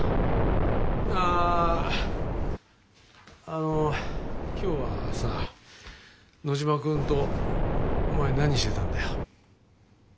あの今日はさ野嶋くんとお前何してたんだよ。